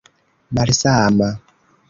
malsama